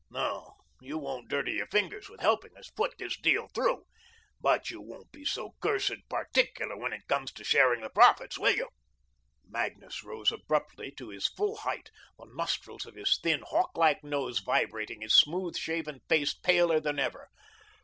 No, you won't dirty your fingers with helping us put this deal through, but you won't be so cursed particular when it comes to sharing the profits, will you?" Magnus rose abruptly to his full height, the nostrils of his thin, hawk like nose vibrating, his smooth shaven face paler than ever.